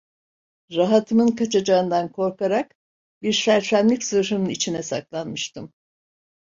Rahatımın kaçacağından korkarak bir sersemlik zırhının içine saklanmıştım.